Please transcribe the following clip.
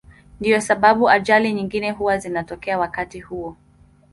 Ndiyo sababu ajali nyingi huwa zinatokea wakati huo.